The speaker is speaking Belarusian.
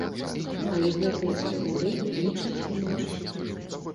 Але гэтыя спадары лічаць інакш.